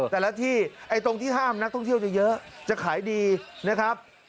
แต่ละที่ไอ้ตรงที่ห้ามนักท่องเที่ยวจะเยอะจะขายดีนะครับ